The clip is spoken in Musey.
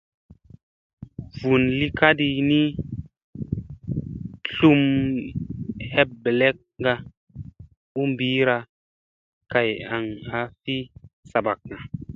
Fun li kaɗi ni, tlum heɓlekga u ɓiida kay aŋ a fi saɓakga.